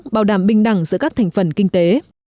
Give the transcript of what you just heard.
bảo đảm bình đẳng giữa các thành phần kinh tế